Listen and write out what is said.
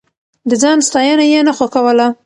د ځان ستاينه يې نه خوښوله.